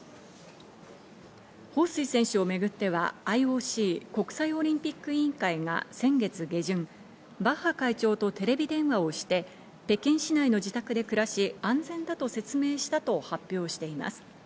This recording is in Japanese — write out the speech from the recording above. ホウ・スイ選手をめぐってはＩＯＣ＝国際オリンピック委員会が先月下旬、バッハ会長とテレビ電話をして北京市内の自宅で暮らし、安全だと説明したと発表しています。